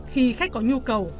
khi khách có nhu cầu